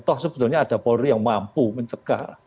toh sebetulnya ada polri yang mampu mencegah